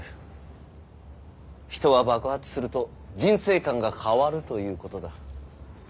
人は爆発すると人生観が変わるということだ。